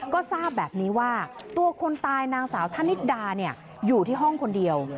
ก็ทราบแบบนี้ว่าตัวคนตายนางสาวธนิดดาอยู่ที่ห้องคนเดียว